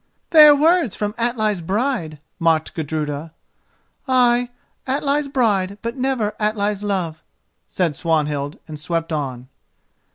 "Fair words from Atli's bride," mocked Gudruda. "Ay, Atli's bride, but never Atli's love!" said Swanhild, and swept on.